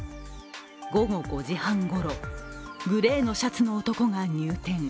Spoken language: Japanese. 午後５時半ごろ、グレーのシャツの男が入店。